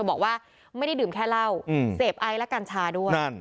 บอกว่าไม่ได้ดื่มแค่เหล้าเสพไอและกัญชาด้วย